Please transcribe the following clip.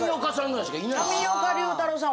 上岡龍太郎さん